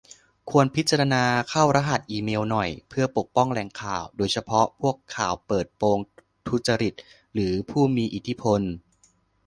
ควรพิจารณาเข้ารหัสอีเมลหน่อย เพื่อปกป้องแหล่งข่าว โดยเฉพาะพวกข่าวเปิดโปงทุจริตหรือผู้มีอิทธิพล